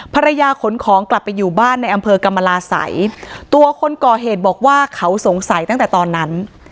ขนของกลับไปอยู่บ้านในอำเภอกรรมราศัยตัวคนก่อเหตุบอกว่าเขาสงสัยตั้งแต่ตอนนั้น